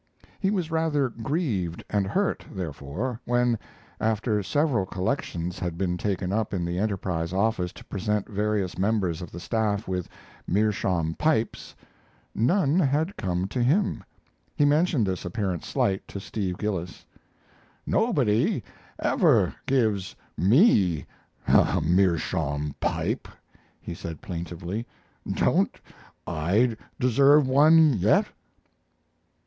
He was rather grieved and hurt, therefore, when, after several collections had been taken up in the Enterprise office to present various members of the staff with meerschaum pipes, none had come to him. He mentioned this apparent slight to Steve Gillis: "Nobody ever gives me a meerschaum pipe," he said, plaintively. "Don't I deserve one yet?"